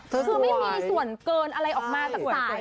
คือไม่มีส่วนเกินอะไรออกมาจากสาย